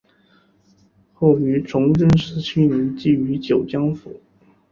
后于崇祯十七年寄居九江府。